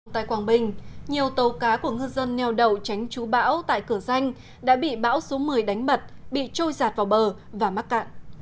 tại quảng bình nhiều tàu cá của ngư dân neo đậu tránh chú bão tại cửa danh đã bị bão số một mươi đánh bật bị trôi giạt vào bờ và mắc cạn